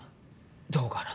どうかな？